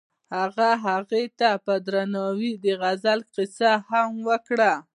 هغه هغې ته په درناوي د غزل کیسه هم وکړه.